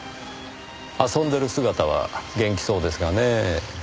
遊んでる姿は元気そうですがねぇ。